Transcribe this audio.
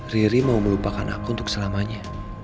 riri mau melupakan aku untuk selamanya